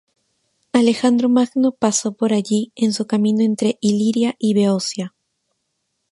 Alejandro Magno pasó por allí en su camino entre Iliria y Beocia.